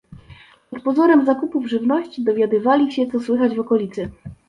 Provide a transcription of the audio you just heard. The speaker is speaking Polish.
Pod pozorem zakupów żywności dowiadywali się, co słychać w okolicy.